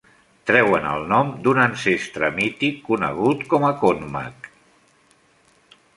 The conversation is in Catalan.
Treuen el nom d'un ancestre mític conegut com a "Conmac".